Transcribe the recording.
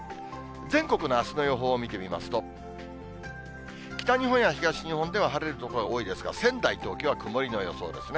全国のあすの予報を見てみますと、北日本や東日本では晴れる所が多いですが、仙台、東京は曇りの予想ですね。